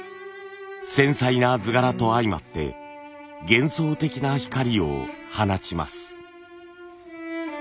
繊細な図柄と相まって幻想的な光を放ちます。